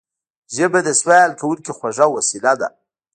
ژبه د سوال کوونکي خوږه وسيله ده